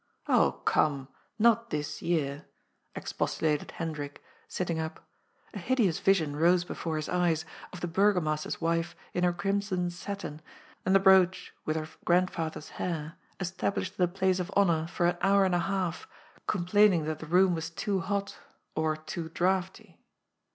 ^' Oh, come, not this year," expostulated Hendrik, sitting up— a hideous vision rose before his eyes of the Burgomas ter's wife in her crimson satin, and the brooch with her grandfather's hair, established in the place of honour for an hour and a half, complaining that the room was too hot or too draughty.